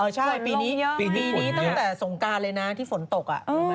ใช่ปีนี้ต้องแต่สงการเลยนะที่ฝนตกอ่ะ